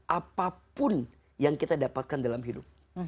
apapun yang kita dapatkan dalam hidup